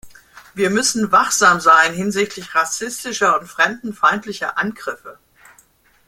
Wir müssen wachsam sein hinsichtlich rassistischer und fremdenfeindlicher Angriffe.